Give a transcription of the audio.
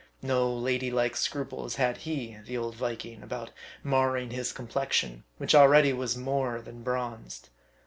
No lady like scruples had he, the old Viking, about marring his complexion, which already was more than bronzed.